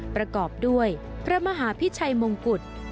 ประกอบด้วยพระมหาพิชัยมงกุฎ